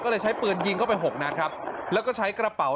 ก็เลยใช้ปืนยิงเข้าไปหกนัดครับแล้วก็ใช้กระเป๋า